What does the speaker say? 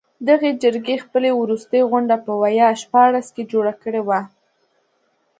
دغې جرګې خپله وروستۍ غونډه په ویا شپاړس کې جوړه کړې وه.